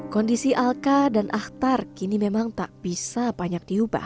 kondisi alka dan ahtar kini memang tak bisa banyak diubah